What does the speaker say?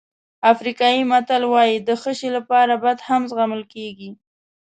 افریقایي متل وایي د ښه شی لپاره بد هم زغمل کېږي.